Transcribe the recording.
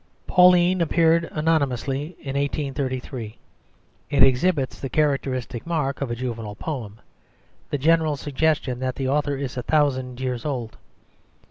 Pauline appeared anonymously in 1833. It exhibits the characteristic mark of a juvenile poem, the general suggestion that the author is a thousand years old.